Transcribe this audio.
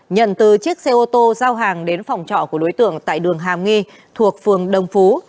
nhận từ chiếc xe ô tô giao hàng đến phòng trọ của đối tượng tại đường hàm nghi thuộc phường đông phú